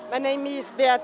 tên tôi là béatrice